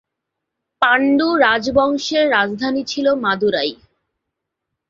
পাণ্ড্য রাজবংশের রাজধানী ছিল মাদুরাই।